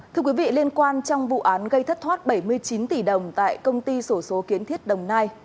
thưa quý vị liên quan trong vụ án gây thất thoát bảy mươi chín tỷ đồng tại công ty sổ số kiến thiết đồng nai